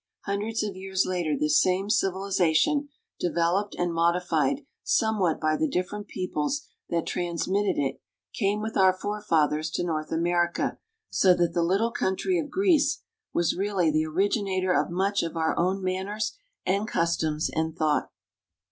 Hundreds of years later this same civilization, developed and modified some what by the different peoples that transmitted it, came with our forefathers to North America ; so that the little country of Greece was really the originator of much of our own manners and customs and thought.